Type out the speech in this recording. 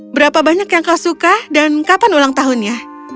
berapa banyak yang kau suka dan kapan ulang tahunnya